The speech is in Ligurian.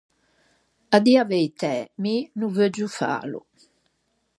À dî a veitæ mi no veuggio fâlo.